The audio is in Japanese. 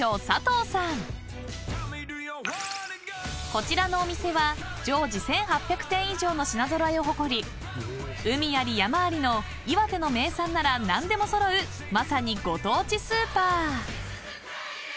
［こちらのお店は常時１，８００点以上の品揃えを誇り海あり山ありの岩手の名産なら何でも揃うまさにご当地スーパー］